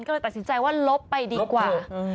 ก็เลยตัดสินใจว่าลบไปดีกว่า